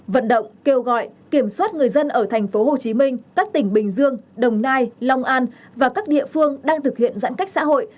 năm vận động kêu gọi kiểm soát người dân ở thành phố hồ chí minh các tỉnh bình dương đồng nai long an và các địa phương đang thực hiện giãn cách xã hội